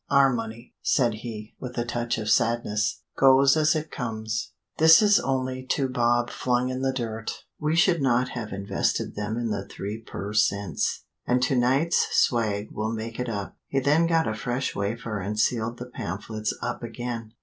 Our money," said he, with a touch of sadness, "goes as it comes. This is only two bob flung in the dirt. We should not have invested them in the Three per Cents; and to night's swag will make it up." He then got a fresh wafer and sealed the pamphlets up again.